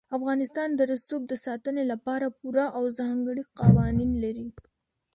افغانستان د رسوب د ساتنې لپاره پوره او ځانګړي قوانین لري.